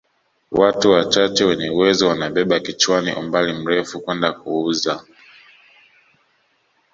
Watu wachache wenye uwezo wanabeba kichwani umbali mrefu kwenda kuuza